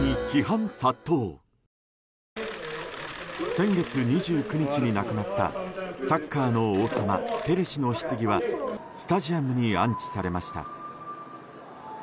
先月２９日に亡くなったサッカーの王様ペレ氏のひつぎはスタジアムに安置されました。